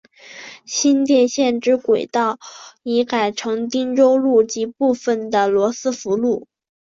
新店线之轨道已经改成汀州路及部分的罗斯福路。